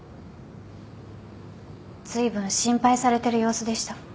ずいぶん心配されてる様子でした。